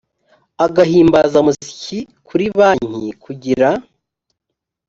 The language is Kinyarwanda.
agahimbazamusyi kuri banki kugira